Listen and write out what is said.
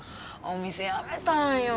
お店辞めたんよ